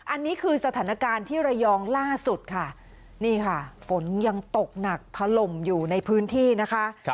อันนี้คือสถานการณ์ที่ระยองล่าสุดค่ะนี่ค่ะฝนยังตกหนักถล่มอยู่ในพื้นที่นะคะ